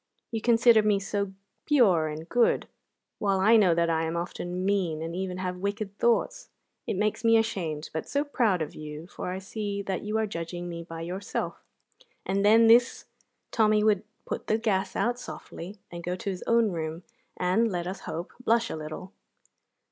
You consider me so pure and good, while I know that I am often mean, and even have wicked thoughts. It makes me ashamed, but so proud of you, for I see that you are judging me by yourself." And then this Tommy would put the gas out softly and go to his own room, and, let us hope, blush a little.